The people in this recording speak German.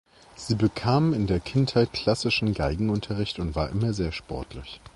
Sie bekam in der Kindheit klassischen Geigenunterricht und war immer sehr sportlich.